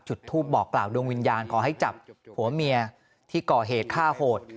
จุดทูปบอกกล่าวดวงวิญญาณขอให้จับผัวเมียที่ก่อเหตุฆ่าโหด